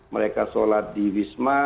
mereka sholat di wisma